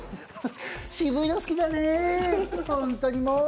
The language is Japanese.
渋いの好きだね、ホントにもう。